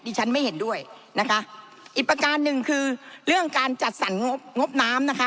ฉันไม่เห็นด้วยนะคะอีกประการหนึ่งคือเรื่องการจัดสรรงบงบน้ำนะคะ